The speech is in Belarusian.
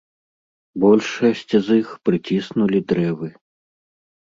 Большасць з іх прыціснулі дрэвы.